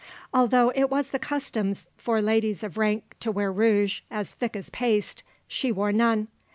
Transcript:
Although it was the custom for ladies of rank to wear rouge as thick as paste, she wore none.